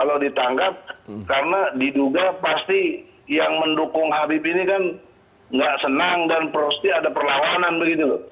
kalau ditangkap karena diduga pasti yang mendukung habib ini kan nggak senang dan prosti ada perlawanan begitu loh